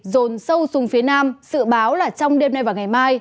dồn sâu xuống phía nam sự báo là trong đêm nay và ngày mai